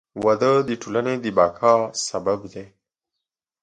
• واده د ټولنې د بقا سبب دی.